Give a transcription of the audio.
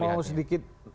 saya mau sedikit